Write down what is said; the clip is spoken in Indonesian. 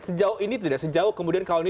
sejauh ini tidak sejauh kemudian kalau ini